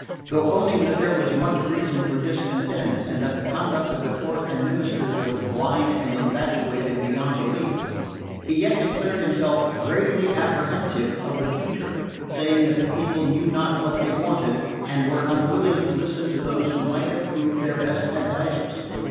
Though owning that there was much reason for discontent, and that the conduct of the court and ministers was blind and infatuated beyond belief, he yet declared himself gravely apprehensive of the future, saying that the people knew not what they wanted, and were unwilling to listen to those that might have proved their best advisors.